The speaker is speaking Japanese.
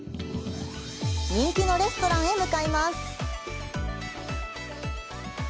人気のレストランへ向かいます。